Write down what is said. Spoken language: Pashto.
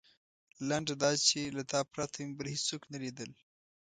لنډه دا چې له تا پرته مې بل هېڅوک نه لیدل.